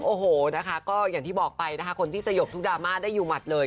โอ้โหนะคะก็อย่างที่บอกไปนะคะคนที่สยบทุกดราม่าได้อยู่หมัดเลย